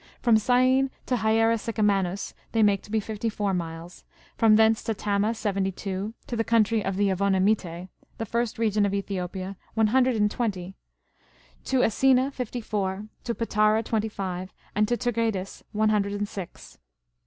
From Syene to Hiera Sycaminos^'^ they make to be fifty four miles, from thence to Tama seventy two, to the country of the Evonymitae, ^ the first region of Ethiopia, one hundred and twenty, to Acina fifty four, to Pittara twenty five, and to Tergedus one hundred and six.